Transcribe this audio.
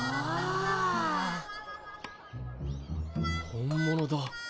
本物だ。